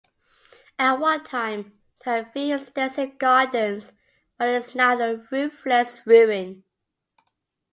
At one time it had three extensive gardens, but is now a roofless ruin.